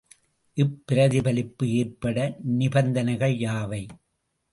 இப்பிரதிபலிப்பு ஏற்பட நிபந்தனைகள் யாவை?